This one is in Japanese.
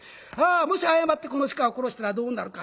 もし過ってこの鹿を殺したらどうなるか？